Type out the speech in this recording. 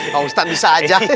pak ustadz bisa aja